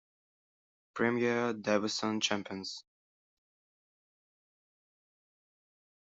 Premier Division Champions.